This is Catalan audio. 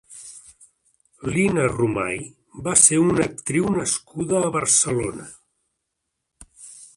Lina Romay va ser una actriu nascuda a Barcelona.